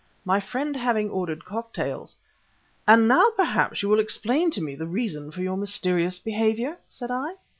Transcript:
My friend having ordered cocktails "And now perhaps you will explain to me the reason for your mysterious behavior?" said I.